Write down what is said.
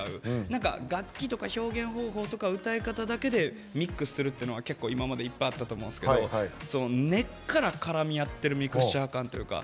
何か楽器とか表現方法とか歌い方だけでミックスするっていうのは結構今までいっぱいあったと思うんですけど根っから絡み合ってるミクスチャー感というか。